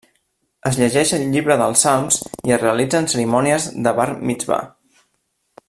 Es llegeix el llibre dels Salms i es realitzen cerimònies de Bar Mitsvà.